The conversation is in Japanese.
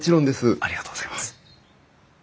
ありがとうございます。